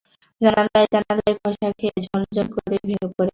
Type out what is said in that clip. জানালায় জানালায় ঘষা খেয়ে ঝনঝন করে ভেঙে পড়ে কাচ।